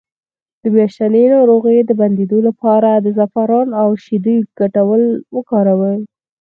د میاشتنۍ ناروغۍ د بندیدو لپاره د زعفران او شیدو ګډول وکاروئ